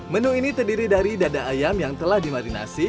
menu ini terdiri dari dada ayam yang telah dimarinasi